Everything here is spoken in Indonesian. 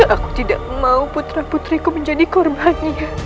aku tidak mau putra putriku menjadi korbannya